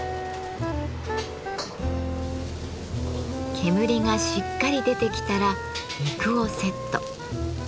煙がしっかり出てきたら肉をセット。